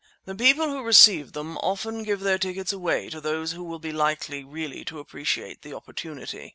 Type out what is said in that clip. "The people who received them often give their tickets away to those who will be likely really to appreciate the opportunity."